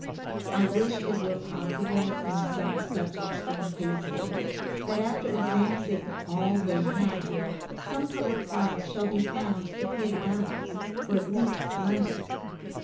I wish it were possible in some such extreme cases, that after advancing all they have, some public fund should be found to pay the balance or at least lend it.